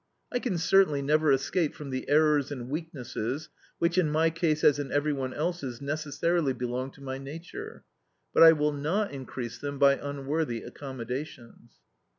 I can certainly never escape from the errors and weaknesses which, in my case as in every one else's, necessarily belong to my nature; but I will not increase them by unworthy accommodations.